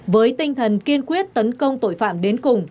với tinh thần kiên quyết tấn công tội phạm đến cùng